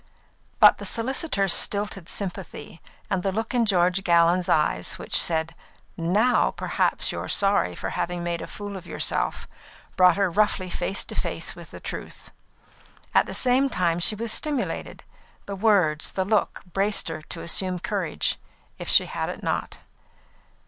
But the solicitor's stilted sympathy, and the look in George Gallon's eyes, which said: "Now perhaps you are sorry for having made a fool of yourself," brought her roughly face to face with the truth. At the same time she was stimulated. The words, the look, braced her to assume courage, if she had it not.